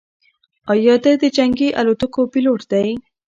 ایا ده د جنګي الوتکو پیلوټ دی؟